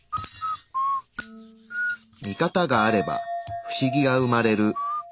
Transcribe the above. ミカタがあればフシギが生まれる。